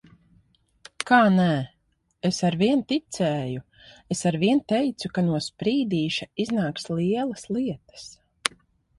Kā nē? Es arvien ticēju! Es arvien teicu, ka no Sprīdīša iznāks lielas lietas.